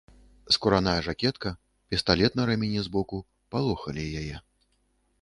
Скураная жакетка, пісталет на рэмені з боку палохалі яе.